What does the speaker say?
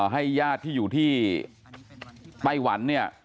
ให้ญาติที่อยู่ที่ไต้หวันเนี่ย